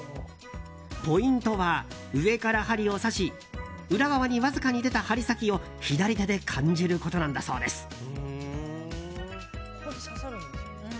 ポイントは上から針を刺し裏側にわずかに出た針先を左手で感じることなんだそうです。